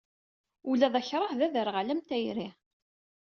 Ula d akṛah d aderɣal am tayri.